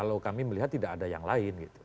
kalau kami melihat tidak ada yang lain gitu